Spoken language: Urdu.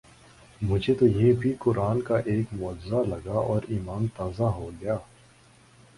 مجھے تو یہ بھی قرآن کا ایک معجزہ لگا اور ایمان تازہ ہوگیا